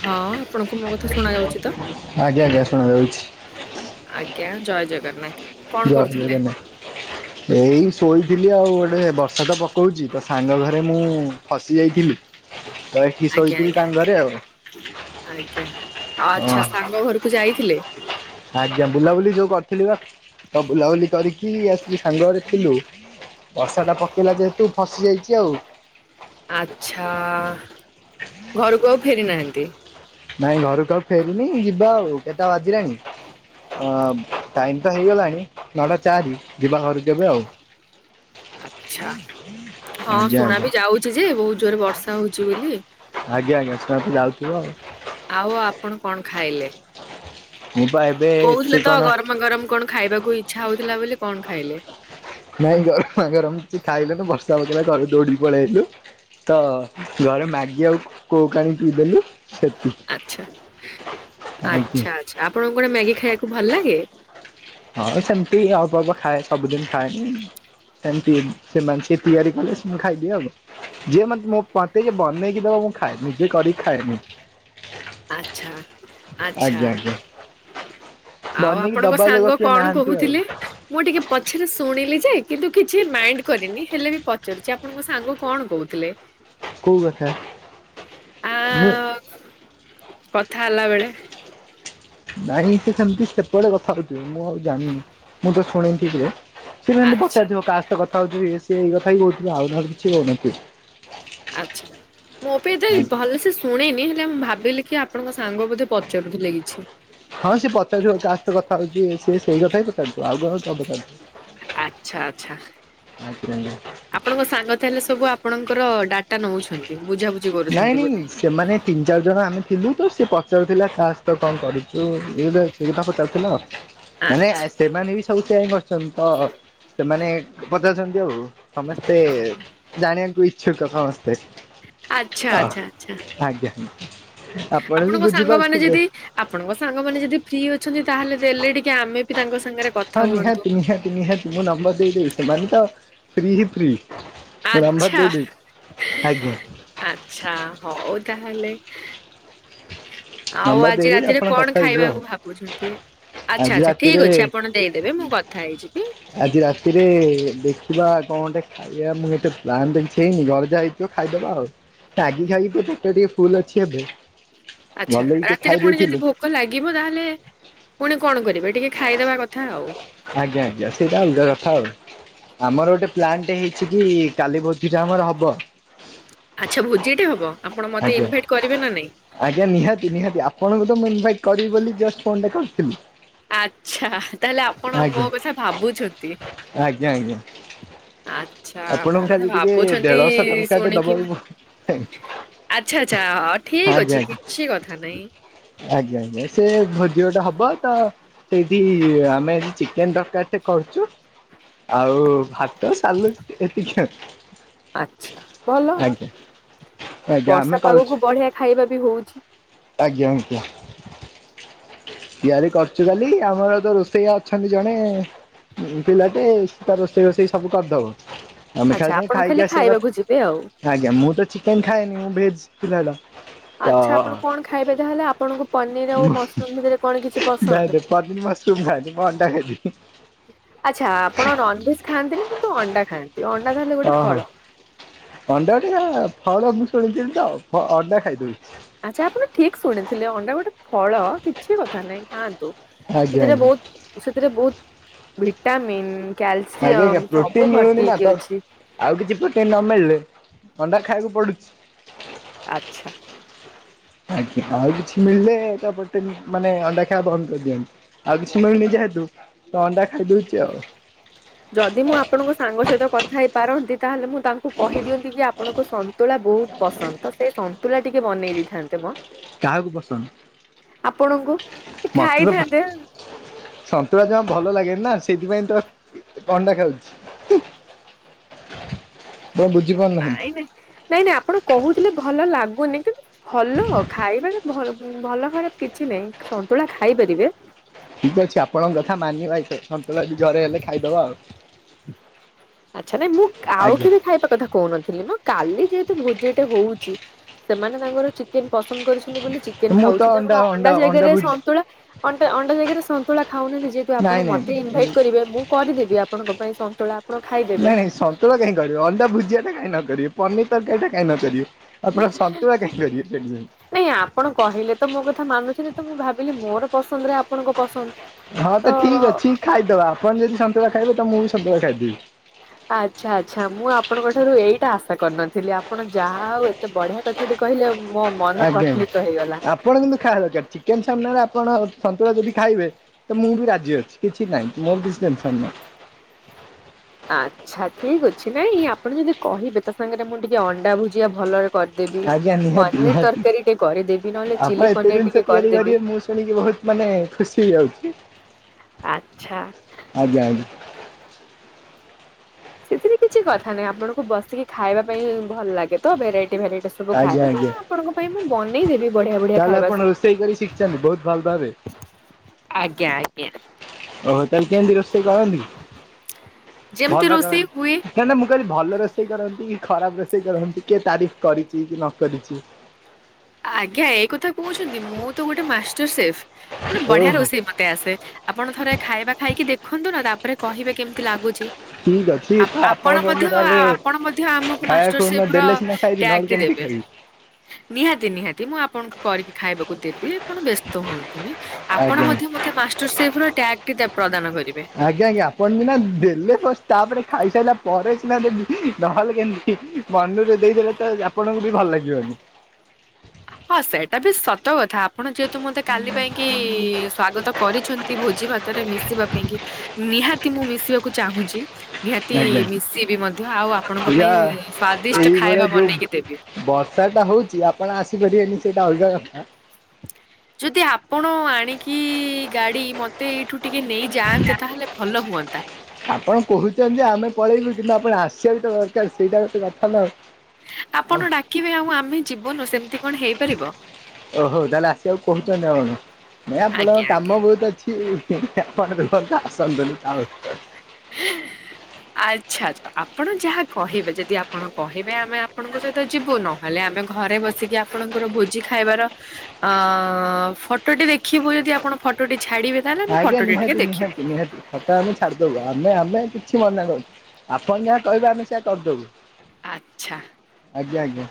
ହଁ ଆପଣଙ୍କୁ ମୋ କଥା ଶୁଣା ଯାଉଛି ତ? ଆଜ୍ଞା ଆଜ୍ଞା ଶୁଣାଯାଉଛି। ଆଜ୍ଞା ଜୟ ଜଗନ୍ନାଥ। କଣ ଜୟ କରୁଥିଲେ? ଜଗନ୍ନାଥ। [inaudible] ଏଇ ଶୋଇଥିଲି ଆଉ, ଗୋଟେ ବର୍ଷା ତ ପକଉଛି ତ ସାଙ୍ଗ ଘରେ ମୁଁ ଫସି ଯାଇଥିଲି। ତ ଏଠି ଆଜ୍ଞା ଶୋଇଥିଲି ତାଙ୍କ ଘରେ ଆଉ ଆଜ୍ଞା ଆଜ୍ଞା ହଁ ଆଛା ସାଙ୍ଗ ଘରୁ କୁ ଯାଇଥିଲେ। ଆଜ୍ଞା ବୁଲାବୁଲି ଯୋଉ କରିଥିଲି ବା, ତ ବୁଲାବୁଲି କରିକି ଆସି ସାଙ୍ଗ ଘରେ ଥିଲୁ। ବର୍ଷା ଟା ପକେଇଲା ଯେହେତୁ ଫସି ଯାଇଛି ଆଉ ଆଚ୍ଛା ଘରକୁ ଆଉ ଫେରି ନାହାନ୍ତି। ନାଇଁ ଘରକୁ ଆଉ ଫେରିନି, ଯିବା ଆଉ କେତଟା ବାଜିଲାଣି? ଅ ଟାଇମ ତ ହେଇଗଲାଣି ନଅଟା ଚାରି ଯିବା ଘରକୁ ଏବେ ଆଉ ଆଚ୍ଛା ହଁ ଆଜ୍ଞା ଶୁଣା ଆଜ୍ଞା ବିି ଯାଉଛି ଯେ ବହୁତ ଜୋରେ ବର୍ଷା ହଉଛି ବୋଲି। ଆଜ୍ଞା ଆଜ୍ଞା ଶୁଣା ତ ଯାଉଥିବ ଆଉ ଆଉ ଆପଣ କଣ ଖାଇଲେ? ମୁଁ ବା ଏବେ ସେ କହୁଥିଲେ ତ, କଣ ଗରମା ଗରମ କଣ ଖାଇବାକୁ ଇଚ୍ଛା ହଉଥିଲା ବୋଲି କଣ ଖାଇଲେ? ନାଇଁ ଗରମା ଗରମ କିଛି ଖାଇଲୁନି ବର୍ଷା ପକେଇଲା ତ ଦୌଡିକି ପଳେଇଆଇଲୁ। ତ ଘରେ ମାଗି ଆଉ କୋକ୍ ଆଣିକି ପିଇଦେଲୁ ସେତିକି। ଆଛା ଆଚ୍ଛା ଆଚ୍ଛା ଆପଣଙ୍କୁ କଣ ମ୍ୟାଗି ଖାଇବାକୁ ଭଲ ଲାଗେ? ହଁ ସେମତି ଅଳ୍ପ ଅଳ୍ପ ଖାଏ ସବୁଦିନ ଖାଏନି। ସେମିତି ସେମାନେ ସେ ତିଆରି କଲେ ସେ ମୁଁ ଖାଇଦିଏ ଆଉ ଯିଏ ମତେ ମୋ ପାଟି କେ ବନେଇକି ଦେବ ମୁଁ ଖାଏ ନିଜେ କରିକି ଖାଏନି। ଆଛା। ଆଛା ଆଜ୍ଞା ଆଜ୍ଞା ଆଉ ବନେଇକି ଆପଣଙ୍କ ଦବା ଲୋକ ସାଙ୍ଗ କିଏ କଣ ନାହାନ୍ତି ଆଉ କହୁଥିଲେ? ମୁଁ ଟିକେ ପଛରେ ଶୁଣିଲି ଯେ କିନ୍ତୁ କିଛି ମାଇଣ୍ଡ କରିନି। ହେଲେ ବି ପଚାରୁଛି ଆପଣଙ୍କ ସାଙ୍ଗ କଣ କହୁଥିଲେ? କୋଉ କଥା ଆ ନ କଥା ହେଲା ବେଳେ। ନାଇଁ ସେ ସେମିତି ସେପଟେ କଥା ହଉଥିବ। ମୁଁ ଆଉ ଜାଣିନି ମୁଁ ତ ଶୁଣିନି ଠିକରେ। ସେ ଏମିତି ଆଚ୍ଛା ପଚାରିଥିବ କାହା ସହିତ କଥା ହଉଚୁ କି ଇଏ ସିଏ ଏଇ କଥା ହିଁ କହୁଥିଲା ଆଉ ନହେଲେ କିଛି କହୁନଥିଲା? ଆଚ୍ଛା। ମୁଁ ବି ଏତେ ଭଲସେ ଶୁଣିନି ହେଲେ ମୁଁ ଭାବିଲି କି ଆପଣଙ୍କ ସାଙ୍ଗ ବୋଧେ ପଚାରୁ ଥିଲେ କିଛି। ହଁ ସିଏ ପଚାରୁଥିବ କାହା ସହ କଥା ହଉଛି ସ ସେଇ କଥା ହି ପଚାରୁଥିବ ଆଉ କଣ ପଚାରୁଛୁ? ଆଚ୍ଛା ଆଚ୍ଛା। ନାଇଁ ଆପଣଙ୍କ ସାଙ୍ଗ ତାହେଲେ ସବୁ ଆପଣଙ୍କର ଡାଟା ନଉଛନ୍ତି ବୁଝାବୁଝି କରୁଛନ୍ତି ବୋଧେ। ଏମାନେ ତିନି ଚାରି ଜଣ ଆମେ ଥିଲୁ ତ ସେ ପଚାରୁଥିଲା କା ସହିତ କଣ କରିଚୁ ଏଇ ଅଥା ସେଇ କଥା ପଚାରୁଥୁଲା ଆଉ। ମାନେ ଆ ଆଚ୍ଛା ସେମାନେ ବି ସବୁ ସେଇଆ କରଛନ୍ତି ତ, ସେମାନେ ପଚାରୁଛନ୍ତି ଆଉ। ସମସ୍ତେ ଜାଣିବାକୁ ଇଚ୍ଛୁକ ସମସ୍ତେ। ଆଚ୍ଛା ତ ଆଚ୍ଛା ଆଚ୍ଛା ଆଜ୍ଞା ଆପଣ ବି ଆପଣଙ୍କ ସାଙ୍ଗମାନେ ବୁଝିପାରୁଥିବେ ଯେଦି ଆପଣଙ୍କ ସାଙ୍ଗମାନେ ଯେଦି ଫ୍ରି ଅଛନ୍ତି, ତାହେଲେ ଦେଲେ ଟିକେ ଆମେ ବି ତାଙ୍କ ସାଙ୍ଗରେ କଥା ହଁ ହୁଅନ୍ତୁ। ନିହାତି ନିହାତି ନିହାତି, ମୁଁ ନମ୍ବର୍ ଦେଇଦେବି ସେମାନେ ତ ଫ୍ରି ହିଁ ଫ୍ରି। ମୁଁ ନମ୍ୱର୍ ଆଚ୍ଛା ଦେଇଦେବି ଆଜ୍ଞା। ଆଚ୍ଛା ହଉ ତାହଲେ। ଆଉ ନମ୍ବର ଆଜି ଦେଇଦେବି ରାତିରେ ଆପଣ କଣ କଥା ହେଇଯିବେ ଆଉ। ଖାଇବାକୁ ଭାବୁଛନ୍ତି? ଆଚ୍ଛା ଆଜି ଆଚ୍ଛା ଠିକ୍ ରାତିରେ ଅଛି ଆପଣ ଦେଇଦେବେ ମୁଁ କଥା ହେଇଯିବି। ଆଜି ରାତିରେ ଦେଖିବା କଁଟେ ଖା ଇଆ ମୁଁ ଏତେ ପ୍ଲାନ୍ ତ କିଛି ହେଇନି ଘରେ ଯାହା ହେଇଥିବ ଖାଇଦବା ଆଉ। ତାଗି ଖାଇକି ତୋ ପେଟ ଟିକେ ଫୁଲ ଅଛି ଏବେ। ଆଚ୍ଛା ଭଲ କି ଟିକେ ରାତିରେ ଖାଇ ପୁଣି ଯଦି ଦେଇଥିଲୁ। ଭୋ କ ଲାଗିବ ତାହେଲେ ପୁଣି କଣ କରିବେ ଟିକେ ଖାଇଦବା କଥା ଆଉ। ଆଜ୍ଞା, ଆଜ୍ଞା, ସେଇଟା ଅଲଗା କଥା ଆଉ। ଆମର ଗୋଟେ ପ୍ଲାନ୍ ଟେ ହେଇଛି କି କାଲି ଭୋଜିଟେ ଆମର ହବ। ଆଚ୍ଛା ଭୋଜିଟେ ହବ, ଆପଣ ମତେ ଆଜ୍ଞା ଇନଭାଇଟ୍ କରିବେ ନା ନାଇଁ? ଆଜ୍ଞା ନିହାତି ନିହାତି ଆପଣଙ୍କୁ ତ ମୁଁ ଇନଭାଇଟ୍ କରିବି ବୋଲି ଜଷ୍ଟ୍ ଫୋନ୍ ଟା କରିଥିଲି। ଆଚ୍ଛା ତାହେଲେ ଆପଣ ମୋ ଆଜ୍ଞା କଥା ଭାବୁଛନ୍ତି। ଆଜ୍ଞା ଆଜ୍ଞା ଆଚ୍ଛା ମୋ ଆପଣଙ୍କୁ କଥା ଖାଲି ଟିକେ ଭାବୁଛନ୍ତି ଦେଢଶହ ଟଙ୍କାଟେ ଶୁଣିକି ମ ଦବାକୁ ଆଚ୍ଛା ଆଚ୍ଛା ଅ ଠିକ୍ ଆଜ୍ଞା ଅଛି ଆଜ୍ଞା କିଛି କଥା ନାଇଁ। ଆଜ୍ଞା ଆଜ୍ଞା ସେ ଭୋଜି ଗୋଟେ ହବ ତ ସେଇଠି ଆମେ ଏଠି ଚିକେନ୍ ତରକାରୀଟେ କରୁଚୁ। ଆଉ ଭାତ ସାଲୁଟ୍ ଏତିକି ଆଉ। ଆଚ୍ଛା ଭଲ ଆଜ୍ଞା। ଆଜ୍ଞା ଆମେ ବର୍ଷା କରୁଛୁ ପାଗକୁ ବଢ଼ିଆ ଖାଇବା ବି ହୋଉଛି। ଆଜ୍ଞା ଆଜ୍ଞା। ତିଆରି କରଚୁ କାଲି ଆମର ତ ରୋଷେଇଆ ଅଛନ୍ତି ଜଣେ। ଉଁ ପିଲାଟେ ସିଏ ତାର ରୋଷେଇ ବଷେଇ ସବୁ କରିଦବ। ଆମେ ଆଚ୍ଛା ଖାଲି ଯାଇଁ ଆପଣ ଖାଇକି ଆସିବା ଖାଇବାକୁ ଯିବେ ଆଉ। କଥା। ଆଜ୍ଞା ମୁଁ ତ ଚିକେନ୍ ଖାଏନି ମୁଁ ଭେଜ୍ ପିଲାଟା। ଆଚ୍ଛା ଆପଣ ତ କଣ ଖାଇବେ ତାହେଲେ ଆପଣଙ୍କୁ ପନିର୍ ଆଉ ମସରୁମ୍ ଭିତରେ କଣ କିଛି ନାଇଁ ପସନ୍ଦ? ହୁଁ। ଆଚ୍ଛା ଆପଣ ନନଭେଜ୍ ଖାଆନ୍ତିନି କିନ୍ତୁ ଅଣ୍ଡା ଖାଆନ୍ତି ଅଣ୍ଡା ତାହେଲେ ଗୋଟେ ଓହୋ। ଫଳ। ଅଣ୍ଡା ଗୋଟେ କା ଫଳ ମୁଁ ଶୁଣିଥିଲି ତ ଫ ଅଣ୍ଡା ଖାଇଦୋଉଛି। ଆଚ୍ଛା ଆପଣ ଠିକ୍ ଶୁଣିଥିଲେ ଅଣ୍ଡା ଗୋଟେ ଫଳ କିଛି କଥା ନାହିଁ ଖା ଆଜ୍ଞା ସେଥିରେ ଆଜ୍ଞା। ବହୁତ ସେଥିରେ ବହୁତ ଭିଟାମନ୍। ଆଜ୍ଞା ଆଜ୍ଞା କ୍ୟାଲସିୟମ୍ ପ୍ରୋଟିନ ସବୁ ମିଳୁନି ଭର୍ତ୍ତି ନା ତ ହେଇକି ଅଛି। ଆଉ କିଛି ପୋଟିନ୍ ନ ମିଳିଲେ ଥଣ୍ଡା ଖାଇବାକୁ ପଡୁଛି। ଆଚ୍ଛା। ଆଜ୍ଞା ଆଉ କିଛି ମିଳିଲେ ତ ପୋଟିନ୍ ମାନେ ଅଣ୍ଡା ଖାଇବା ବନ୍ଦ କରିଦିଅନ୍ତି। ଆଉ କିଛି ମିଳୁନି ଯୋହେତୁ ତ ଅଣ୍ଡା ଖାଇଦୋଉଚି ଆଉ। ଯଦି ମୁଁ ଆପଣଙ୍କ ସାଙ୍ଗ ସହିତ କଥା ହେଇପାରନ୍ତି ତାହେଲେ ମୁଁ ତାଙ୍କୁ କହିଦିଅନ୍ତି କି ଆ ଆପଣଙ୍କୁ ସନ୍ତୁଳା ବୋହୁତ ପସନ୍ଦ ତ ସେ ସନ୍ତୁଳା ଟିକେ ବନେଇ ଦେଇଥାନ୍ତେ ମଁ। କାହାକୁ ପସନ୍ଦ ଆପଣଙ୍କୁ ଏ ମତେ ତ ପ- ଖାଇଥାନ୍ତେ। ସନ୍ତୁଳା ଜମା ଭଲ ଲାଗେନି ନା ସେଇଥିପାଇଁ ତ ଅଣ୍ଡା ଖାଉଛି ହୁଁ। ବ ନାଇଁ ବୁଝିପାରୁନାହାନ୍ତି? ନାଇଁ। ନାଇଁ ନାଇଁ ଆପଣ କହୁଥିଲେ ଭଲ ଲାଗୁନି କିନ୍ତୁ ଭଲ ଖାଇବାରେ ଭ ଭଲ ଖରାପ କିଛି ନାହିଁ ସନ୍ତୁଳା ଖାଇପାରିବେ। ଠିକ ଅଛି ଆପଣଙ୍କ କଥା ମାନିବା। ଏ ସନ୍ତୁଳା ଜରେ ହେଲେ ଖାଇଦବା ଆଉ। ଆଚ୍ଛା ନାଇଁ ମୁଁ ଆଉ ଆଜ୍ଞା କେ ବି ଖାଇବା କଥା କହୁନଥିଲି ମୁଁ କାଲି ଯେହେତୁ ଭୋଜିଟେ ହଉଛି। ସେମାନେ ତାଙ୍କର ଚିକେନ ପସନ୍ଦ କରିଛନ୍ତି ବୋଲି ଚିକେନ ଖାଉଛନ୍ତି ଆପଣ ଅଣ୍ଡା ଜାଗାରେ ସନ୍ତୁଳା ଅଣ୍ଟା ଅଣ୍ଡା ଜାଗାରେ ସନ୍ତୁଳା ଖାଉନାହାନ୍ତି ଯେହେୁ ଆପଣ ନାଇଁ ନାଇଁ ମତେ ଇନଭାଇଟ କରିବେ ମୁଁ କରିଦେବି ଆପଣଙ୍କ ପାଇଁ ସନ୍ତୁଳା। ଆପଣ ଖାଇଦେବେ। ନାଇଁ ନାଇଁ ସନ୍ତୁଳା କାଇଁ କରିବେ ଅଣ୍ଡା ଭୁଜିଆ ଟା କାଇଁ ନ କରିବେ ପନିର ତରକାରୀ ଟା କାଇଁ ନ କରିବେ। ଆପଣ ସନ୍ତୁଳା କାଇଁ କରିବେ ସେଠି ଯା [unintelligible] ନାଇଁ ଆପଣ କହିଲେ ତ ମୋ କଥା ମାନୁଛନ୍ତି, ତ ମୁଁ ଭାବିଲି ମୋର ପସନ୍ଦରେ ଆପଣ ଙ୍କ ପସନ୍ଦ। ହଁ ତ ଠିକ୍ ଅଛି ଖାଇଦବା ଆପଣ ଯଦି ସନ୍ତୁଳା ଖାଇବେ ତ ମୁଁ ବି ସନ୍ତୁଳା ଖାଇଦେବି। ଆଚ୍ଛା ଆଚ୍ଛା ମୁଁ ଆପଣଙ୍କ ଠାରୁ ଏଇଟା ଆଶା କରିନଥିଲି, ଆପଣ ଯାହା ଆଉ ଏତେ ବଢିଆ- ଥାଟି କହିଲେ ମୋମନ ଆଜ୍ଞା ପ୍ରଫୁଲ୍ଲିତ ହେଇଗଲା। ଆପଣ କିନ୍ତୁ ଖାଡ୍ ଦରକାର ଚିକେନ୍ ସାମ୍ନାରେ ଆପଣ ସନ୍ତୁଳା ଯଦି ଖାଇବେ। ତ ମୁଁ ବି ରାଜି ଅଛି, କିଛି ନାହିଁ ମୋର୍ ବି ଟେନ୍ ସନ୍ ନାହିଁ। ଆଚ୍ଛା ଠିକ୍ ଅଛି ନାଇଁ ଆପଣ ଯଦି କହିବେ ତା ସାଙ୍ଗରେ ମୁଁ ଟିକେ ଅଣ୍ଡା ଭୁଜିଆ ଭଲ- କରିଦେବି ଆଜ୍ଞା ନିହାତି ପନିର୍ ନିହାତି ତରକାରୀ ଟିକେ କରିଦେବି, ନ ହେଲେ ଆପଣ ଚିଲି ଏତେ ପନିର୍ ଜିନିଷ ଟିକେ ତିଆରି କରିଦେବି। କରିବେ ମୁଁ ଶୁଣିକି ବହୁତ ମାନେ ଖୁସି ହେଇଯାଉଚି। ଆଚ୍ଛା। ଆଜ୍ଞା ଆଜ୍ଞା। ସେଥିରେ କିଛି କଥା ନାହିଁ, ଆପଣଙ୍କୁ ବସିକି ଖାଇବା ପାଇଁ ଭଲ ଲାଗେ ତ, ଭେରାଇଟ୍ ଭେରାଇଟ୍ ସ୍- ସବୁ ଆଜ୍ଞା ଖାଇବେ ତ, ଆଜ୍ଞା ଆପଣଙ୍କ ପାଇଁ ମୁଁ ବନେଇ ଦେବି ବଢିଆ ବଢିଆ ତାହେଲେ ଖାଇବା ଆପଣ ସବୁ- ରୋଷେଇ କରି ଶିଖିଛନ୍ତି ବହୁତ ଭଲ ଭାବେ ଆଜ୍ଞା ଆଜ୍ଞା। ଓହୋ ତାହେଲେ କେମତି ରୋଷେଇ କରନ୍ତି, ଯେମିତି ଭଲ ରୋଷେଇ ହୁଏ କରନ୍ତି କାଇଁନା ମୁଁ କଇଲି ଭଲ ରୋଷେଇ କରନ୍ତି, କି ଖରାପ୍ ରୋଷେଇ କରନ୍ତି, କିଏ ତାରିଫ୍ କରିଚି କିଏ ନ କରିଚି। ଆଜ୍ଞା ଏଇ କଥା କହୁଛନ୍ତି ମୁଁ ତ, ଗୋଟେ ମାଷ୍ଟର ସେଫ୍ ମାନ୍ ବଢିଆ ଓହୋ ରୋଷେଇ ମା- ଏ ଆସେ ଆପଣ ଥରେ ଖାଇବା ଖାଇକି ଦେଖନ୍ତୁ ନା ତା ପରେ କହିବେ କେମିତି ଲାଗୁଚି। ଠିକ୍ ଅଛି ତ ଆପଣ ଯୋଉ ଦିନ୍ ତା ଆପଣ ମଧ୍ୟ ହେଲେ ଆମକୁ ମାଷ୍ଟର ସେଫ ଖାଇବାକୁ ର ଦେଲେ ସିନା ଖାଇବି ଟ୍ୟାଗ ନ ହେଲ୍- ଟି କେମିତି ଦେବେ। ଖାଇବ୍- ନିହାତି ନିହାତି ମୁଁ ଆପଣଙ୍କୁ କରିକି ଖାଇବାକୁ ଦେବି ଆପଣ ବ୍ୟସ୍ତ ହୁଅନ୍ତୁନି। ଆପଣ ଆଜ୍ଞା ମଧ୍ୟ- ମତେ ମାଷ୍ଟର୍ ସେଫ୍ ର ଟ୍ୟାଗ୍ ଟି ପ୍ରଦାନ କରିବେ। ଆଜ୍ଞା ଆଜ୍ଞା ଆପଣ ମିନା ଦେଲେ ଫାଷ୍ଟ ତା ପରେ ଖାଇସାରିଲା ପରେ ସିନା ଦେବି ନହେଲେ କେମିତି - ମନୁରେ ଦେଇଦେଲେ ତ ଆପଣଙ୍କୁ ବି ଭଲ ଲାଗିବନି। ହଁ ସେଇଟା ବି ସତ କଥା ଆପଣ ଯେହେତୁ ମତେ କାଲି ପାଇଁ କିି ସ୍ଵାଗତ କରିଛନ୍ତି, ଭୋଜି ଭାତ୍- ତରେ ମିଶିବା ପାଇଁ କି ନିହାତି ମୁଁ ମିଶିବାକୁ ଚାହୁଁଚି। ନିହାତି ଆଜ୍ଞା। ମିଶିବି ମଧ୍ୟ ଆଉ ଆପଣଙ୍କ ଆଜ୍ଞା ପାଇଁ ସ୍ଵାଦିଷ୍ଟ ଏଇଭଳିଆ ଖାଇବା ଯୋଉ ବନେଇକି ଦେବି। ବର୍ଷା ଟା ହଉଚି ଆପଣ ଆସିପାରିବେନି ସେଇଟା ଅଲଗା କଥା। ଯଦି ଆପଣ ଆଣିକି ଗାଡି ମତେ ଏଇଠୁ ଟିକେ ନେଇ- ଯାଆନ୍ତେ ତାହେଲେ ଭଲ ହୁଅନ୍ତା। ଆପଣ କହୁଛନ୍ତି, ଆମେ ପଳେଇବୁ କିନ୍ତୁ ଆପଣ ଆସିଆ ବି ତ ଦରକାର ସେଇଟା ହଉଚି କଥା ନା। ଆଉ। ଆପଣ ଡାକିବେ ଆଉ ଆମେ ଯିବୁନୁ ସେମିତି କଣ ହେଇପାରିବ? ଓହୋ ତାହେଲେ ଆସିବାକୁ କହୁଛନ୍ତି ଆପଣ ନାଇଁ ଆଜ୍ଞା ଆପଣଙ୍କ ଆଜ୍ଞା କାମ ବହୁତ ଅଛି। ହିଁ ହିଁ [unintelligible] [unintelligible] ଆଚ୍ଛା ଆଛା। ଆପଣ ଯାହା କହିବେ ଯଦି ଆପଣ କହିବେ ଆମେ ଆପଣଙ୍କ ସହିତ ଯିବୁନୁ ହେଲେ ଆମେ ଘରେ ବସିକି ଆପଣଙ୍କର ଭୋଜି ଖାଇବାର ଅଁ ଫଟୋ ଟେ ଦେଖିବୁ ଯଦି ଆପଣ ଫଟୋ ଟି ଛାଡିବେ। ତାହେଲେ ଆମେ ଆଜ୍ଞା ଫଟୋଟି ଟିକେ ନିହାତି ଦେଖିବୁ। ନିହାତି ନିହାତି। ଫଟ ଆମେ ଛାଡ଼ିଦେବୁ ଆମେ ଆମେ କିଛି ମନା କରିନୁ ଆପଣ ଯାହା କହିବେ ଆମେ ସେଇଆ କରିଦବୁ। ଆଚ୍ଛା। ଆଜ୍ଞା ଆଜ୍ଞା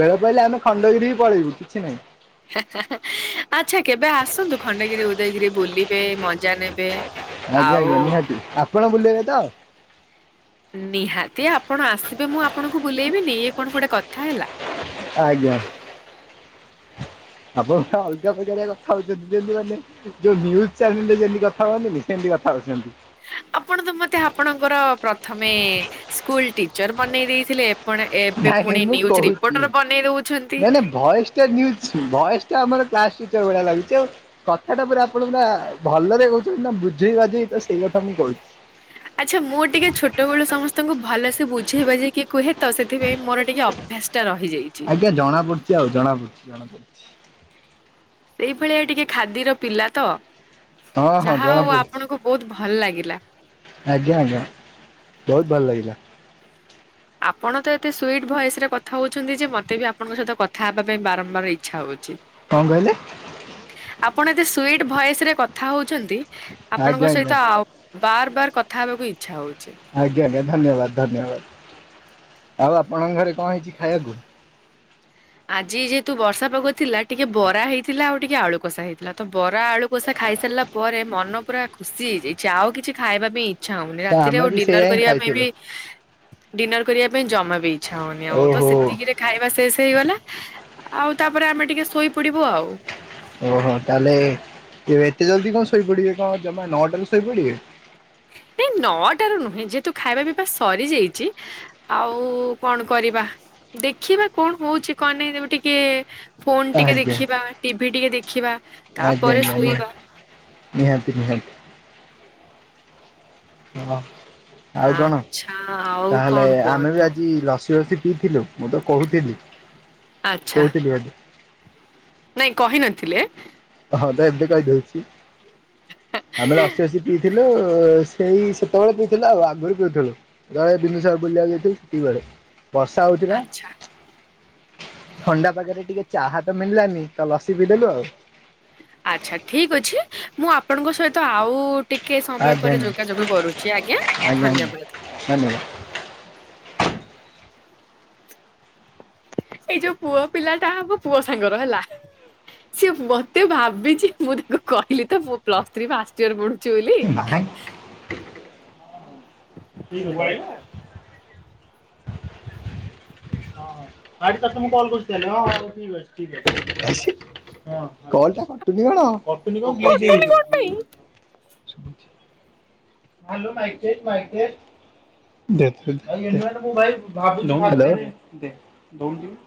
ବେଳ ପଇଲେ ଆମେ ଖଣ୍ଡଗିରି ବି ପଳେଇବୁ କିଛି ନାହିଁ। ଆଚ୍ଛା କେବେ ଆସନ୍ତୁ ଖଣ୍ଡଗିରି ଉଦୟଗିରି ବୁଲିବେ ମଜା ନେବେ। ଆଜ୍ଞା ଆଉ ଆଜ୍ଞା ନିହାତି ଆପଣ ବୁଲେଇବେ ତ? ନିହାତି ଆପଣ ଆସିବେ ମୁଁ ଆପଣଙ୍କୁ ବୁଲେଇବିିନି ଇଏ କଣ ଗୋଟେ କଥା ହେଲା। ଆଜ୍ଞା ଆପଣ ପୁରା ଆଲଗା ପକାରିଆ କଥା ହଉଛନ୍ତି ଯେଇତି ମାନେ ଯୋଉ ନ୍ୟୁଜ୍ ଚ୍ୟାନେଲ୍ ରେ ଯେଇଁତି କଥା ହୁଅନ୍ତିନି ସେଇଁତି କଥା ହଉଛନ୍ତି। ଆପଣ ତ ମତେ ଆପଣଙ୍କର ପ୍ରଥମେ ସ୍କୁଲ ଟିଚର ବନେଇ ଦେଇଥିଲେ। କଣ ଏବେ ନାଇଁ ନାଇଁ ପୁଣି ମୁଁ ନିୁଜ୍ କହୁଛି। ରିପୋର୍ଟର ବନେଇ ଦଉଛନ୍ତି। ତ ନ୍ୟୁଜ୍ ଭଏଜ୍ ଟା ଆମର କ୍ଲାସ୍ ଟିଚର ଭଳିଆ ଲାଗୁଛି ଆଉ କଥାଟା ପୁରା ଆପଣ ପୁରା ଭଲରେ କହୁଛନ୍ତି ନା ବୁଝେଇ ବାଜେଇ ତ ସେଇ କଥା ମୁଁ କହୁଛି। ଆଚ୍ଛା ମୁଁ ଟିକେ ଛୋଟ ବେଳୁ ସମସ୍ତଙ୍କୁ ଭଲସେ ବୁଝେଇ ବଝେଇକି କୁହେ ତ ସେଥିପାଇଁ ମୋର ଟିକେ ଅଭ୍ୟାସ ଟା ରହିଯାଇଛି ଜଣା ପୁଛି ଆଉ ଜଣା ପଡୁଛି ଜଣାପଡୁଛି। ସେଇଭଳିଆ ଟିକେ ଖାଦିର ପିଲା ତ ହଁ ହଁ ଯାହା ଜଣା ହଉ ପଡୁଛି ଆପଣଙ୍କ ବହୁତ ଭଲ ଲାଗିଲା। ଆଜ୍ଞା ଆଜ୍ଞା ବହୁତ ଭଲ ଲାଗିଲା। ଆପଣ ତ ଏତେ ସ୍ବିଇଟ ଭଏସ ରେ କଥା ହଉଛନ୍ତି ଯେ ମତେ ବି ଆପଣଙ୍କ ସହିତ କଥା ହେବା ପାଇଁ ବାରମ୍ବାର ଇଚ୍ଛା ହଉଛି। କଣ କହିଲେ? ଆପଣ ଏତେ ସ୍ୱଇଟ ଭଏସ ରେ କଥା ହଉଛନ୍ତି ଆଜ୍ଞା ଆପଣଙ୍କ ଆଜ୍ଞା ସହିତ ଆଉ ବାର ବାର କଥା ହେବାକୁ ଇଚ୍ଛା ହଉଛି। ଆଜ୍ଞା ଆଜ୍ଞା ଧନ୍ୟବାଦ ଧନ୍ୟବାଦ ଆଉ ଆପଣଙ୍କ ଘରେ କଣ ହେଇଛି ଖାଇବାକୁ? ଆଜି ଯେହେତୁ ବର୍ଷା ପାଗ ଥିଲା ଟିକେ ବରା ହେଇଥିଲା ଆଉ ଟିକେ ଆଳୁ କଷା ହେଇଥିଲା ତ ବରା ଆଳୁ କଷା ଖାଇସାରିଲା ପରେ ମନ ପୁରା ଖୁସି ହେଇଯାଇଛି ଆଉ କିଛି ଖାଇବା ପାଇଁ ଇଛା ହଉନି ତ ରାତିରେ ଆମେ ଆଉ ବି ଡିନର ସେଇଆ ହିଁ କରିବା ପାଇଁ ବି ଖାଇଥିଲୁ ଡିନର କରିବା ପାଇଁ ଜମା ବି ଇଚ୍ଛା ହଉନି ଆଉ ତ ଓହୋ ସେତିକିରେ ଖାଇବା ଶେଷ ହେଇଗଲା। ଆଉ ତାପରେ ଆମେ ଟିକେ ଶୋଇପଡିବୁ ଆଉ। ଓହୋ ତାହେଲେ ଏତେ ଜଲ୍ଦି କଣ ଶୋଇପଡ଼ିବେ କଣ ଜମା ନଅଟାରୁ ଶୋଇପଡ଼ିବେ। ଏଇ ନଅଟାରୁ ନୁହେଁ ଯେହେତୁ ଖାଇବା ପିଇବା ସରିଯାଇଛି ଆଉ କଣ କରିବା ଦେଖିବା କଣ ହଉଛି କଣ ନାଁ ତେବେ ଟିକେ ଫୋନ ଟିକେ ଆଜ୍ଞା ଦେଖିବା ଟିଭି ଟିକେ ଦେଖିବା ଆଜ୍ଞା ତାପରେ ଆଜ୍ଞା ନିହାତି ଶୋଇବା। ନିହାତି ନିହାତି। ହଁ ଆଉ କଣ ଆଚ୍ଛା ଆଉ ତାହେଲେ କଣ ଆମେ ବି କୁହନ୍ତୁ? ଆଜି ଲସି ଫସି ପିଇଥିଲୁ। ମୁଁ ତ କହୁଥିଲି ଆଚ୍ଛା କହୁଥିଲି ବୋଧେ? ନାଇଁ କହି ନଥିଲେ। ହଁ ତ ଏବେ କହିଦଉଛି। ଆମେ ଲସି ଫସି ପିଇଥିଲୁ ସେଇ ସେତେବେଳେ ପିଇଥିଲା ଆଉ ଆଗରୁ ପିଉଥିଲୁ ତଳେ ବିନ୍ଦୁସ ବୁଲିବାକୁ ଯାଇଥିଲୁ ସେତିକି ବେଳେ। ବର୍ଷା ହଉଥିଲା। ଆଚ୍ଛା। ଥଣ୍ଡା ପାାଗରେ ଟିକେ ଚାହା ତ ମିଳିଲାନି ତ ଲସି ପି ଦେଲୁ ଆଉ। ଆଚ୍ଛା ଠିକ୍ ଅଛି ମୁଁ ଆପଣଙ୍କ ସହିତ ଆଉ ଟିକେ ସମୟ ଆଜ୍ଞା ପରେ ଯୋଗାଯୋଗ କରୁଛି ଆଜ୍ଞା ଧନ୍ୟବାଦ। ହାଲୋ। ଏଇ ଯୋଉ ପୁଅ ପିଲାଟା ହବ ପୁଅ ସାଙ୍ଗର ହେଲା। ସିଏ ମତେ ଭାବିଛି ମୁଁ ତାକୁ କହିଲି ତ ମୁଁ ପ୍ଲସ ଥ୍ରୀ ଫାଷ୍ଟ ଇୟର ପଢୁଛି ବୋଲି। [unintelligible] ହଁ ହଁ [unintelligible] କଲ କରୁଚି ତାହାଲେ ହଁ ହଁ ଠିକ୍ ଅଛି ଠିକ୍ ଅଛି [unintelligible] କଲ ଟା କଟୁନି କଣ। ଟୁନି କଣ ବ୍ଲିଜ କଟୁନି କଣ ପାଇଁ? ହେଇଯାଇଥିବ। Hello mic test mic test. [unintelligible]